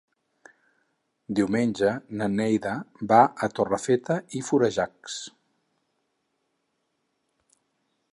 Diumenge na Neida va a Torrefeta i Florejacs.